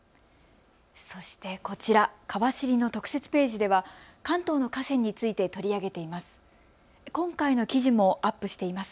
そしてこちら、かわ知りの特設ページでは関東の河川について取り上げています。